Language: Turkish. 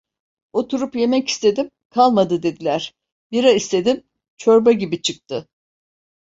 Oturup yemek istedim, "Kalmadı" dediler; bira istedim, çorba gibi çıktı.